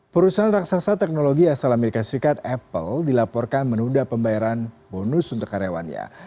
perusahaan raksasa teknologi asal amerika serikat apple dilaporkan menunda pembayaran bonus untuk karyawannya